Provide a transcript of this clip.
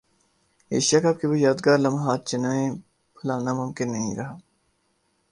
Asia cup کے وہ یادگار لمحات جنہیں بھلانا ممکن نہیں رہا